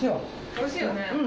おいしいよね？